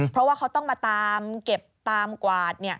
เพราะว่าเขาต้องมาตามเก็บตามกวาด